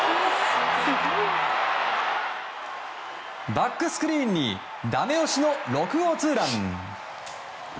バックスクリーンにダメ押しの６号ツーラン。